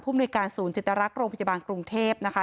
มนุยการศูนย์จิตรักษ์โรงพยาบาลกรุงเทพนะคะ